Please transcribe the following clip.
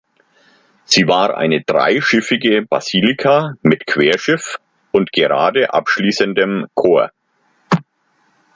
Sie war eine dreischiffige Basilika mit Querschiff und gerade abschließendem Chor.